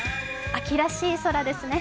秋らしい空ですね。